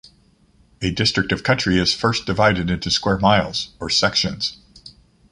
A district of country is first divided into square miles, or sections.